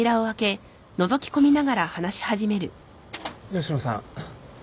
吉野さん